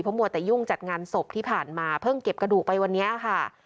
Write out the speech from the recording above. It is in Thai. มัวแต่ยุ่งจัดงานศพที่ผ่านมาเพิ่งเก็บกระดูกไปวันนี้ค่ะ